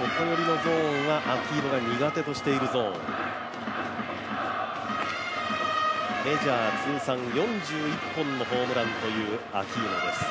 外寄りのゾーンはアキーノが苦手としているゾーンメジャー通算４１本のホームランというアキーノです。